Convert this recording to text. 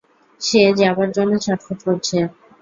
সে যাবার জন্য ছটফট করছে।